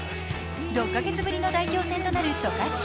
６カ月ぶりの代表戦となる渡嘉敷。